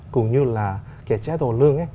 cũng như là cái chế độ lương